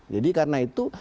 jadi karena itu